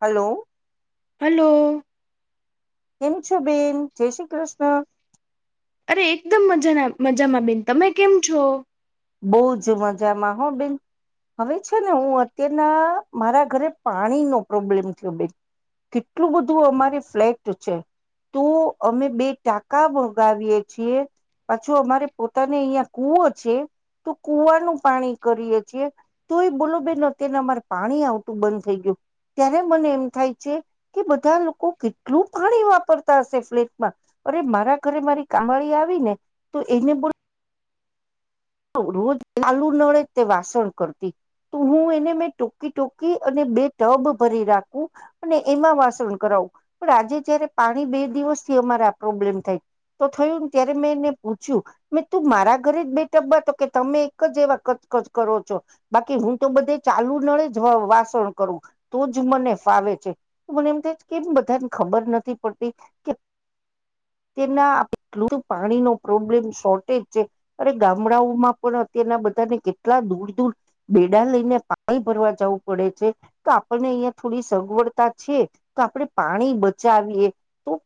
Hello hello કેમ છો બેન જય શ્રી કૃષ્ણ અરે એકદમ મજાના મજામાં બેન તમે કેમ છો બહુ જ મજામાં હો બેન હવે છે ને હું અત્યારના મારા ઘરે પાણીનો પ્રોબ્લેમ થયો બેન કેટલું બધું અમારી ફ્લેટ છે તો અમે બે ટાકા મગાવીએ છીએ પાછું અમારે પોતાને અહિયાં કુવો છે તો કુવાનું પાણી કરીએ છીએ તો એ બોલો બેન અત્યારે અમારે પાણી આવતું બંધ થઈ ગયું ત્યારે મને એમ થાય છે કે બધા લોકો કેટલું ઘણી વાપરતા હશે ફ્લેટમાં અરે મારા ઘરે મારી કામળી આવી ને તો એને બોલ રોજ ચાલુ નળે તે વાસણ કરતી તો હું એને મેં ટૂકી ટૂકી અને બે ટબ ભરી રાખું અને એમાં વાસણ કરાવ પણ આજે જયારે પાણી બે દિવસથી અમારા પ્રોબ્લેમ થાય તો થયું ને ત્યારે મેં એને પૂછ્યું મે તું મારા ઘરે જ બેઠ તો કે તમે એક જ એવા કચકચ કરો છો બાકી હું તો બધે ચાલુ નડે જ વાસણ કરું તો જ મને ફાવે છે મને એમ થાય કેમ બધાને ખબર નથી પડતી કે તેમના પાણીનુ પ્રોબ્લેમ શોર્ટેજ છે અરે ગામડાઓમાં પણ અત્યારના બધાને કેટલા દૂર દૂર બેડા લઈને પાણી ભરવા જવું પડે છે દે છે આપણને અહિયાં થોડી સગવડતા છે તો આપણે પાણી બચાવીએ તો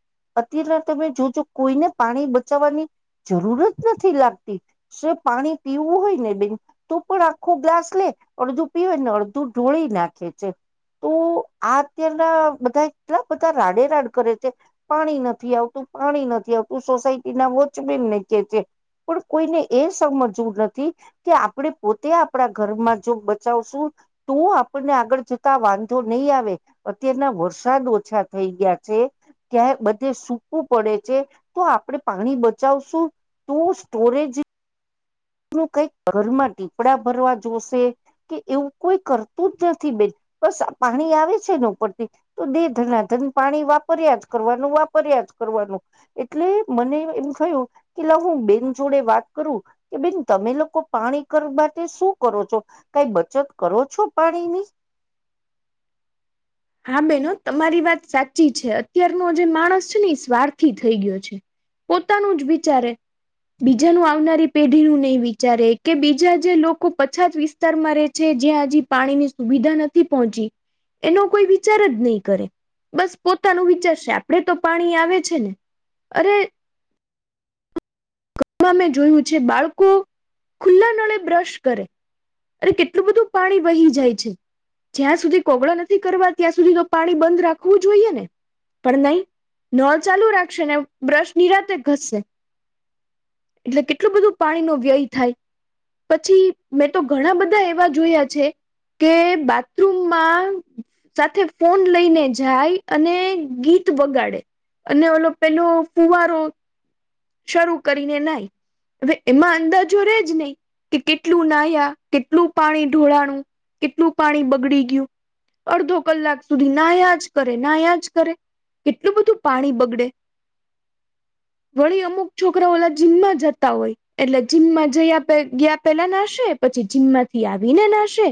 અત્યારે તમે જોજો કોઈને પાણી બચાવવાની જરૂર જ નથી લાગતી જે પાણી પીવું હોય ને બેન તું પણ આખો ગ્લાસ લે અડધું પીવે ને અડધું ઢોળી નાખે છે તો આ અત્યારના બધા એટલા બધા રાડેરાડ કરે છે પાણી નથી આવતું પાણી નથી આવતું સોસાયટી ના વોચમેન ને કે છે પણ કોઈને એ સમજવું નથી કે આપણેે પોતે આપણા ઘરમાં જો બચાવશું તો આપણને આગળ જતા વાંધો નહીં આવે અત્યારના વરસાદ ઓછા થઈ ગયા છે ત્યાં બધે સૂકવું પડે છે તો આપણેે પાણી બચાવશું તું સ્ટોરેજ નુ કઈક ઘરમાં દીપડા ભરવા જોશે કે એવું કોઈ કરતું જ નથી બેન બસ પાણી આવે છે ને ઉપરથી તો દે ધનણાધન પાણી વાપર્યા જ કરવાનું વાપર્યા જ કરવાનું એટલે મને એમ થયું કે હું બેન જોડે વાત કરું કે બેન તમે લોકો પાણી કરવા માટે શું કરો છો કઈ બચત કરો છો પાણી ની [unintelligible] હા બેનો તમારી વાત સાચી છે અત્યારનો જે માણસ છે ને એ સ્વાર્થી થઈ ગયો છે પોતાનું જ વિચારે બીજાનું આવનારી પેઢી નું નહી વિચારે કે બીજા જે લોકો પછાત વિસ્તારમાં રે છે હજી પાણી ની સુવિધા નથી પહોંચી એનો કોઈ વિચાર જ નહીં કરે બસ પોતાનું વિચારશે આપડે તો પાણી આવે છે ને અરે [inaudible] ઘમાં મેં જોયું છે બાળકો ખુલ્લા નળે બ્રશ કરે અરે કેટલું બધું પાણી વહી જાય છે જ્યાં સુધી કોગળો નથી થી કરવા ત્યાં સુધી તો પાણી બંધ રાખવું જોઈએ ને પણ નહીં ન ચાલુ રાખશે ને બ્રશ નિરાતે ઘસશે એટલે કેટલું બધું પાણી નો વ્યય થાય પછી મેં તો ઘણા બધા એવા જોયા છે કે બાથરૂમમાં સાથે ફોન લઈને જાય અને ગીત બગાડે અને ઓલો પેલો ફુવારો શરૂ કરીને નાઈ હવે એમાં અંદાજો રજ નહીં કે કેટલું નાયા કેટલું પાણી ઢોળાણું કેટલું પાણી બગડી ગયું અડધો કલાક સુધી નાયાજ કરે નાયાજ કરે કેટલું બધું પાણી બગડે [inaudible] વળી અમુક છોકરા ઓલા જીમમાં જતા હોય એટલે જીમમાં જયા ગયા પેલા નાશે પછી જીમમાંથી આવી ને નાશે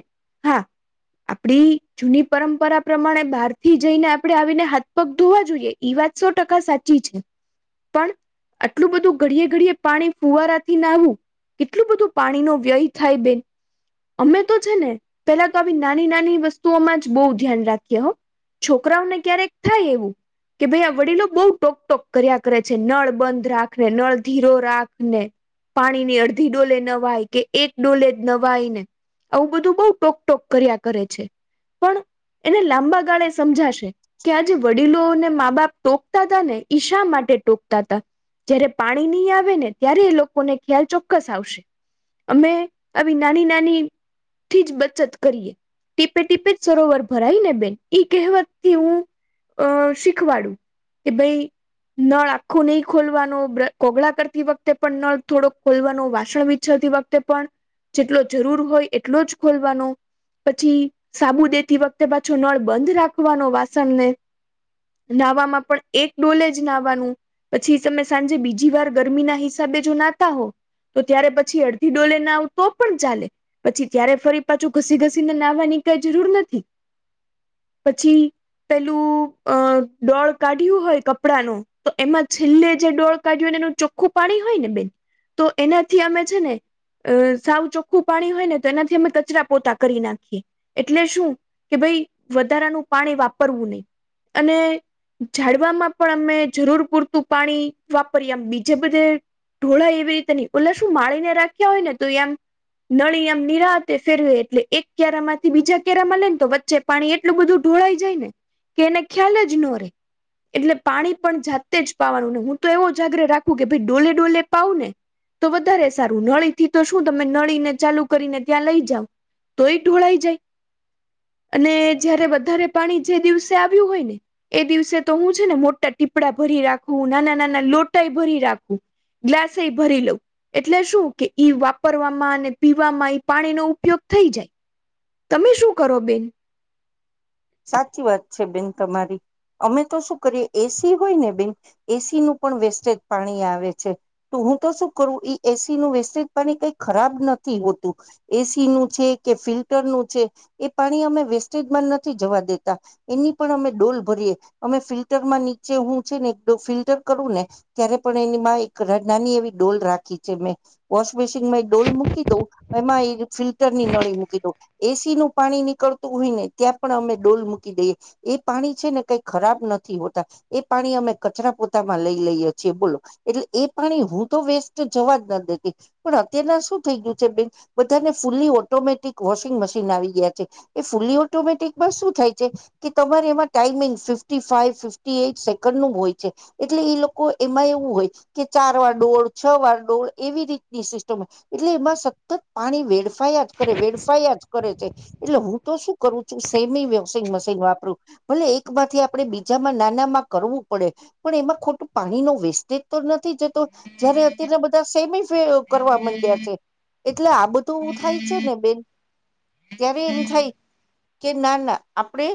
હા [inaudible] આપડી જૂની પરંપરા પ્રમાણે બહારથી જઈને આપડણે આવીને હાથ પગ ધોવા જોઈએ એવા સાતસો ટકા સાચી છે પણ આટલું બધું ઘડીએ ઘડી પાણી ફુવારાથી નાવું કેટલું બધું પાણીનો વ્યય થાય બેન અમે તો છે ને પેલા તો આવી નાની નાની વસ્તુઓમાં જ બહુ ધ્યાન રાખીએ હો છોકરાઓને ક્યારેક થાય એવું કે ભાઈ આ વડીલો બહુ ટોક ટોક કર્યા કરે છે નળ બંધ રાખને નળ ધીરો રાખને પાણી ની અડધી ડોલે નવાય કે એક ડોલે જ નવાય ને આવું બધું બઉુ ટોક ટોક કર્યા કરે છે પણ એને લાંબા ગાળે સમજાશે કે આજે વડીલોને મા બાપ ટોકતા તા ને ઈ શા માટે કે ટોકતા તા જય્યારે પાણી નહીં આવે ને ત્યારે એ લોકોને ખ્યાલ ચોક્કસ આવશે અમે આવી નાની નાની થી જ બચત કરીએ ટીપે ટીપે જ સરોવર ભરાય ને બેન ઈ કહેવતથી હું અ શીખવાડું કે ભાઈ નળ આખું નહી ખોલવાનો કોગળા કરતી વખતે પણ નળ થોડોક ખોલવાનો વાસણ વિછરતી વખતે પણ જેટલો જરૂર હોય એટલો જ ખોલવાનો પછી સાબુ દેતી વખતે પાછો નળ બંધ રાખવાનો વાસણને નાહવામાં પણ એક ડોલે જ નાહવાનું પછી તમે સાંજે બીજી વાર ગરમી ના હિસાબે જો નાતા હો તો જયારે પછી અડધી ડોલે નાવ‌ઉ તો પણ ચાલે પછી ત્યારે ફરી પાછું ઘસી ઘસીને નાહવાની કઈ જરૂર નથી [unintelligible] [unintelligible] પછી પેલું અ દોળ કાઢ્યું હોય કપડા ન તો એમાં છેલ્લે જે ડોળ કાઢ્યું ને એનું ચોખ્ખું પાણી હોય ને બેન તો એનાથી અમે છે ને અ સાવ ચોખ્ખું પાણી હોય ને તો એનાથી અમે કચરા પોતા કરી નાખીએ એટલે શું કે ભ વધારાનું પાણી વાપરવું નહી અને જાડવામાં પણ અમે જરૂર પૂર તું પાણી વાપરી આમ બીજે બધે ઢોળા એવી રીતે નહી ઓલે શું માળીને રાખ્યા હોય ને તું એમ નળી આમ નિરાતે ફેરવે એટલે એક કેરા માંથી બીજા કેરામાં લેને તો વચ્ચે પાણી એટલું બધું ઢોડાઈ જાયને કે એને ખ્યાલ જ ન રે એટલે પાણી પણ જાતે જ પાવાનું નહી હું તો એવો જાગ્રહ રાખું કે ભાઈ ડોલે ડોલે પાવ ને તો વધારે સારું નળી થી તો શું તમે નળીને ચાલુ કરીને ત્યાં લઈ જાાવ તો એ ઢોળાઇ જાય [inaudible] [inaudible] અને જયારે વધારે પાણી જે દિવસે આવ્યું હોય ને એ દિવસે તો હું છે ને મોટા ટીપડા ભરી રાખવું નાના નાના લોટા ભરી રાખું ગ્લાસ એ ભરી લઉં એટલે શું કે ઈ વાપરવામાં અને પીવામાં ઈ પાણીનો ઉપયોગ થઈ જાય તમે શું કરો બેન સાચી વાત છે બેન તમારી અમે તો શું કરીએ એસી હોય ને બેન એસી નું પણ વેસ્ટેજ પાણી આવે છે હું તો શું કરું ઈ એસી નું વેસ્ટેજ પાણી કઈ ખરાબ નથી હોતું એસી નું છે કે ફિલ્ટર નું છે એ પાણી અમે વેસ્ટેજ માં નથી નથી જવા દેતા એની પણ અમે ડોલ ભરીએે અમે ફિલ્ટર માં નીચે હું છે ને ફિલ્ટર કરું ને ત્યારે પણ એની માં એક રડાની ની એક એવી ડોલ રાખી છે મેં વોશ બેશીન માં ઈ ડોલ મૂકી દ‌ઉ એમાં ઇ ફિલ્ટર ની નળી મૂકી દ‌ઉ એસી નું પાણી નીકળતું હોય ને ત્યાં પણ અમે ડોલ મૂકી દઈએ એ પાણી છે ને કઈ ખરાબ નથી હોતા એ પાણી અમે કચરા પોતા માં લઈ લઈએ છી બોલો એટલે એ પાણી હું તો વેસ્ટ જવા જ ના દેતી પણ અત્યારના શું થઈ ગયું છે બે બધાને ફુલી ઓટોમેટિક વોશિંગ મશીન આવી ગયા છે એ ફુલી ઓટોમેટિક બસ શું થાય છે કે તમારે એમાં timing fifty five fifty eight second નું હોય છે એટલે એટલે એ લોકો એમાં એવું હોય કે ચાર વાર ડોળ છ વાર ડોળ એવી રીતની સિસ્ટમ હોય એટલે એમાં સતત પાણી વેડફાયા જ કરે વેડફાયા જ કરે છે એટલે હું તો શું કરું છું સેમી વોશિંગ મશીન વાપરુ ભલે એક માંથી આપણે બીજામાં નાના માં કરવું પડે પણ એમાં ખોટ પાણી નો વેસ્ટેજ તો નથી જતો જયારે અત્યારના બધા સેમી કરવા માંડ્યા છે. એટલે આ બધું થાય છે ને બેન ત્યારે એમ થાય કે ના ના આપણેે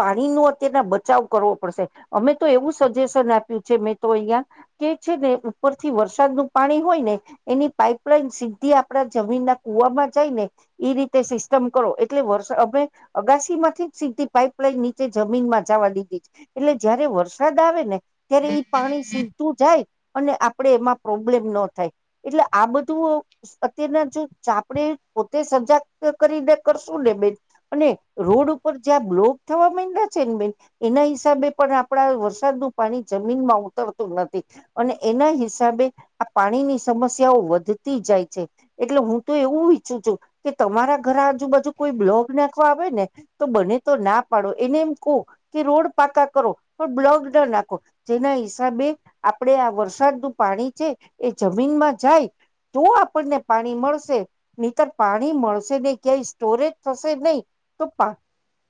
પાણી નો અત્યારના બચાવ કરવો પડશે અમે તો એવું સજેશન આપ્યું છે મેં તો અહીયાં કે છે ને ઉપરથી વરસાદ નું પાણી હોય ને એની પાઈપલાઈન સીધી આપડા જમીન કૂવામાં જાય ને એ રીતે સિસ્ટમ કરો એટલે વરસો અમે અગાસી માંથી જ સીધી પાઈપલાઈન નીચે જમીનમાં જવા દીધી છે એટલે જયારે વરસાદ આવે ને ત્યારે એઈ પાણી સીધુ જાય અને આપણે એમાં પ્રોબ્લેમ ન થાય એટલે આ બધું અત્યારના જો આપણેે પોતે સજાગત કરીને કરશું ને બેન અને રોડ ઉપર જ્યાં બ્લોક થવા માંડ્યા છે ને બેન એના હિસાબે પણ આપડા વરસાદ નું પાણી જમીનમાં ઉતરતું નથી અને એના હિસાબે આ પાણીની સમસ્યાઓ વધતી જાય છે એટલે હું તો એવું ઈચ્છું છું કે તમારા ઘર આજુબાજુ કોઈ બ્લોક નાખવા આવે ને તો બને તો ના પાડો એને એમ કહો કે રોડ પાકા કરો પણ બ્લોક ન નાખો જેના હિસાબે આપડે આ વરસાદ નું પાણી છે એ જમીનમાં જાય. તો આપણને પાણી મળશે નિતર પાણી મળશે ને ક્યાંય સ્ટોરેજ થશે નહીં તો. પા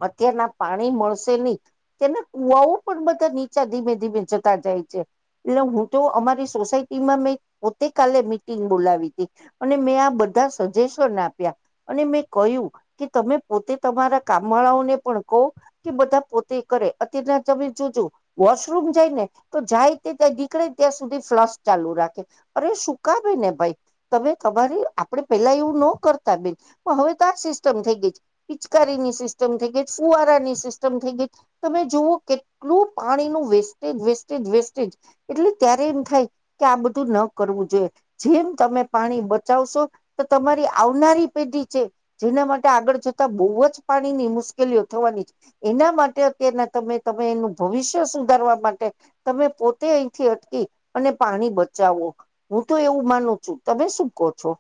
અત્યારના પાણી મળશે નહી તેના કુવાઓ પણ બધા નીચા ધીમે ધીમે જતા જાય છે. એટલે હું તો અમારી સોસાયટીમાં મેં પોતે કાલે મિટિંગ બોલાવી હતી અને મેં આ બ બધા સજેશન આપ્યા અને મેં કહ્યું. કે તમે પોતે તમારા કામ વાળાઓને પણ કહો કે બધા પોતે કરે અત્યારના તમે જો વોશરૂમ જાયને તો જાય તે નીકળે ત્યાં સુધી ફ્લસ ચાલુ રાખે. અરે [unintelligible] કેને ભાઈ તમે તમારે આપડે પેલા એવું ન કરતા બેન હવે તો સિસ્ટમ ગઈ છે. પિચકારીની સિસ્ટમ થઈ ગઈ ફુવારાની સિસ્ટમ થઈ ગઈ તમે જુઓ કે આટલું પાણી નું વેસ્ટેજ વેસ્ટેજ વેસ્ટેજ એટલે ત્યારે એમ થાય કે આ બધું ન કરવું જુએ. જેમ તમે પાણી બચાવશો તો તમારી આવનારી પેઢી છે જેના માટે આગળ જતા બહુ જ પાણીની મુશ્કેલીઓ થવાની છે એના માટે અત્યારના તમે એનું ભવિષ્ય સુધારવા માટે તમે પોતે અહીંથી અટકી અને પાણી બચાવો. હું તો એવું માનું છું. તમે શું કહો છો?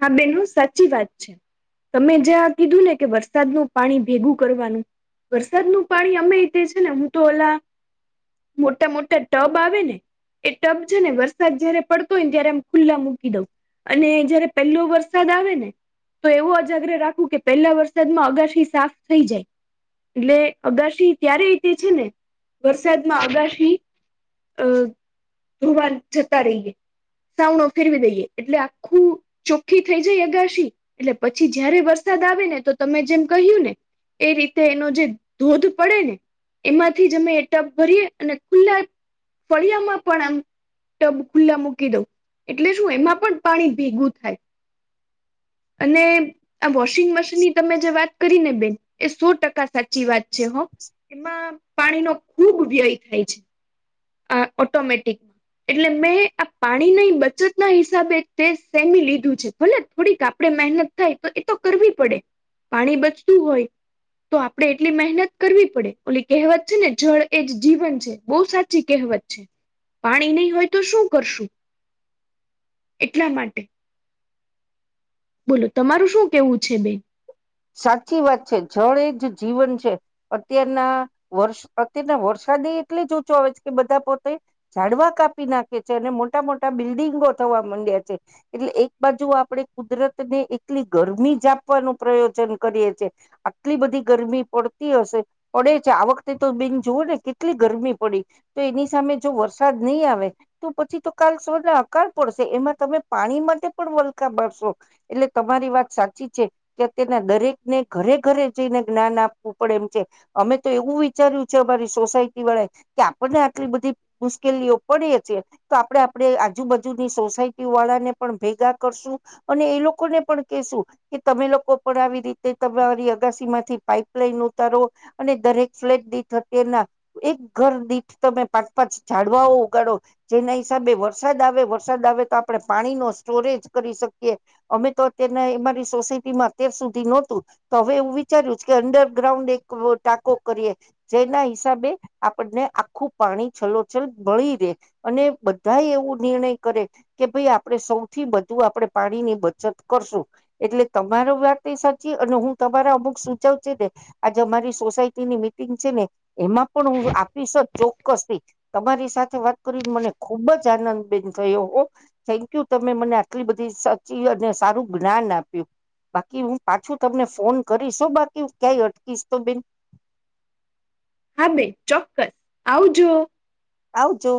હા બેન સાચી વાત છે. તમે જ્યાં કીધું ને કે વરસાદનું પાણી ભેગું કરવાનું. વરસાદનું પાણી અમે તે છે ને હું તો ઓલા મોટા મોટા ટબ આવે ને એ ટબ છે ને વરસાદ જયારે પડતો હોય ને ત્યારે આમ ખુલ્લા મૂકી દઉં અને જયારે પેલો વરસાદ આવે ને તો એવું અજાગ્ર રાખવું કે પહેલા વરસાદમાં અગાશી સાફ થઈ જાય. એટલે અગાશી ત્યારે તે છે ને વરસાદમાં અગાશી અ ધોવાન જતા રહીએ સાવણો ફેરવી દઈએ એટલે આખું ચોખ્ખી થઈ જાય અગાશી એટલે પછી જયારે વરસાદ આવે ને તો તમે જેમ કહ્યું ને એ રીતે એનો જે ધોધ પડે ને. એમાંથી જ અમે એ ટપ ભરીએ અને ખુલ્લા ફળિયામાં પણ આમ ટબ ખુલ્લા મૂકી દઉં એટલે શું એમાં પણ પાણી ભેંગું થાય અને આ વોશિંગ મશીનની તમે જે વાત કરીને બેન એ સો ટકા સાચી વાત છે. હો એમાં પાણીનો ખૂબ વ્યય થાય છે. આ ઓટોમેટિકમાં એટલે મેં આ પાણીની બચત ના હિસાબે તે સેમી લીધું છે ભલે થોડીક આપડે મહેનત થાય તો એ તો કરવી પડે. પાણી બચતું હોય તો આપડે એટલી મહેનત કરવી પડે ઓલી કહેવત છે ને જળ એ જ જીવન છે બહુ સાચી કહેવત પાણી નહી હોય તો શું કરશું એટલા માટે બોલો તમારું શું કેવું છે બેન સાચી વાત છે જળ એ જ જીવન છે અત્યારના વર્ષ અત્યારના વર્ષ વરસાદ એટલી જ ઊંછો આવે છે કે બધા પોતે ઝડવા કાપી નાખે છે અને મોટા મોટા બિલ્ડિંગો થવા મડયા છે એટલે એક બાજુ આપણે કુદરત ને એટલી ગરમી આપવાનું પ્રયોગ આટલી બધી ગરમી પડતી હશે પડે છે આ વખતે તો બેન જુઓ ને કેટલી ગરમી પડી તો એની સામે જો વરસાદ નહીં આવે તો પછી તો કાલ અંકાલ પડશે એમાં તમે પાણી માટે પણ વલખા ભરશો એટલે તમારી વાત સાચી છે કે તેના દરેકને ઘરે ઘરે જઈને જ્ઞાન આપવું પડે એમ છે અમે તો એવું વિચાર્યું છે અમારી સોસાયટી વાળા કે આપણને આટલી બધી મુશ્કેલીઓ પડે છે તો આપડે આપે આજુબાજુ ની સોસાયટી વાળા ને પણ ભેગા કરશું અને એ લોકોને પણ કશું કે તમે લોકો પણ આવી રીતે તમેરી અગાસી માંથી પાઈપલાઈન ઉતારો અને દરેક ફ્લેટ દિઠ અત્યના એક ઘર દીઠ તમે પાંચ પાંચ ઝાડવાઓ ઉગાડો જેના હિસાબે વરસાદ આવે વરસાદ વરસાદ આવે તો આપણે પાણી નો સ્ટોરેજ કરી શકીએ અમે તો અત્યના અમારી સોસાયટીમાં અત્યાર સુધી નહોતું તો હવે એવું વિચાર્યું કે અંડરગ્રાઉન્ડ એક ટાકો કરીએ જેના હિસાબે આપણને આખું પાણી છલોછલ ભળી દે અને બધા એવું નિર્ણય કરે કે ભાઈ આપણે સૌથી વધુ આપણે પાણી ની બચત કરશું એટલે તમારો વાત સાચી અને હું તમારા અમુક સુચવ છે ને આજે અમારી સોસાયટી ની મિટિંગ છે ને એમાં પણ હું આપીશક ચોક્કસથી તમારી સાથે વાત કરીને મને ખુબ જ આનંદ બેન થયો હો થેન્ક યુ તમે મને આટલી બધી સચી અને સારું જ્ઞાન આપ્યું બાકી હું પાછું તમને ફોન કરીશ બાકી ક્યાય અટકીશ તો બેન હા બેન ચોક્કસ આવજો આવજો